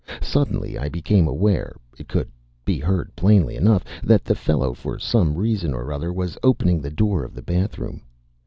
Suddenly I became aware (it could be heard plainly enough) that the fellow for some reason or other was opening the door of the bathroom.